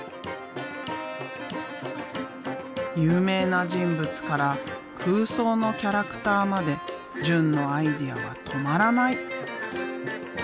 有名な人物から空想のキャラクターまで淳のアイデアは止まらない。